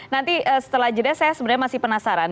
nanti setelah jeda saya sebenarnya masih penasaran